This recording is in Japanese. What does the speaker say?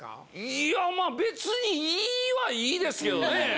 いやまあ別にいいはいいですけどね。